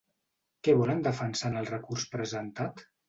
Què volen defensar en el recurs presentat?